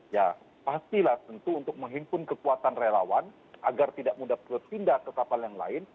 ya pastilah tentu untuk menghimpun kekuatan relawan agar tidak mudah berpindah ke kapal yang lain